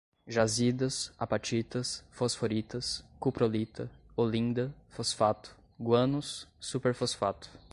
jazidas, apatitas, fosforitas, cuprolita, olinda, fosfato, guanos, superfosfato